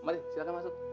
mari silakan masuk